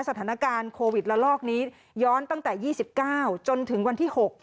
สถานการณ์โควิดละลอกนี้ย้อนตั้งแต่๒๙จนถึงวันที่๖